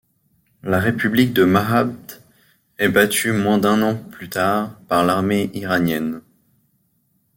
La République de Mahabd est battue moins d'un an plus tard par l’armée iranienne.